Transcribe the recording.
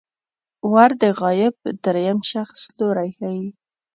ور د غایب دریم شخص لوری ښيي.